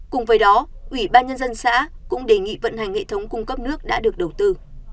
cùng với đó ủy ban nhân dân xã cũng đề nghị vận hành hệ thống cung cấp nước đã được đầu tư